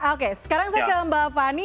oke sekarang saya ke mbak fani